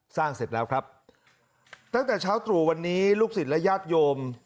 เสร็จแล้วครับตั้งแต่เช้าตรู่วันนี้ลูกศิษย์และญาติโยม